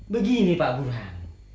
begini pak buruhan